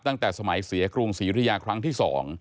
ตั้งแต่สมัยเสียกรุงศรียุธยาครั้งที่๒